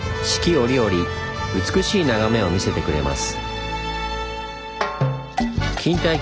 折々美しい眺めを見せてくれます。